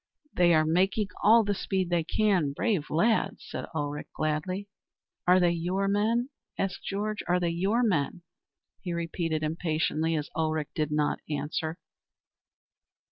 "They are making all the speed they can, brave lads," said Ulrich gladly. "Are they your men?" asked Georg. "Are they your men?" he repeated impatiently as Ulrich did not answer.